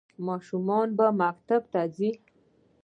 ماشومان به مکتب ته ځي؟